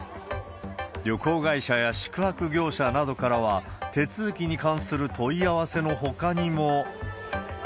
旅行会社や宿泊業者などからは、手続きに関する問い合わせのほかにも。